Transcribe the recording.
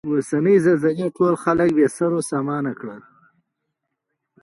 اوسنۍ زلزلې ټول خلک بې سرو سامانه کړل.